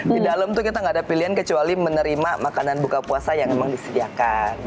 di dalam tuh kita gak ada pilihan kecuali menerima makanan buka puasa yang memang disediakan